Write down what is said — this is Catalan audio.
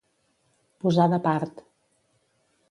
Posar de part.